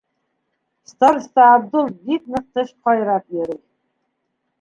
Староста Абдул бик ныҡ теш ҡайрап йөрөй.